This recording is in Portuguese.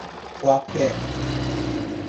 Guapé